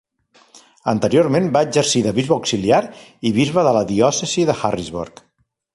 Anteriorment va exercir de bisbe auxiliar i bisbe de la diòcesi de Harrisburg.